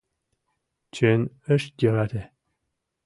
Чын ыш йӧрате